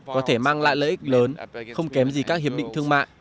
có thể mang lại lợi ích lớn không kém gì các hiệp định thương mại